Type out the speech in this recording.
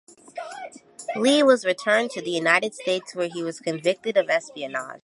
Lee was returned to the United States, where he was convicted of espionage.